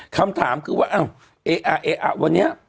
คำถามคือว่าอ้าววันนี้